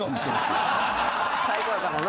最高やからな。